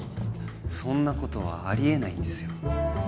そんなことはありえないんですよ